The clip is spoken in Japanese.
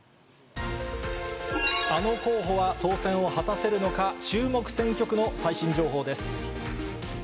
あの候補は当選を果たせるのか、注目選挙区の最新情報です。